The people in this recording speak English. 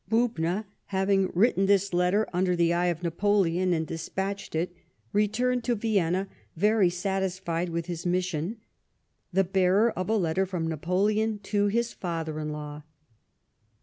Bubna, having written this letter under the eye of Napoleon, and despatched it, returned to Vienna, very satisfied with his mission, the bearer of a letter from Napoleon to his father in law.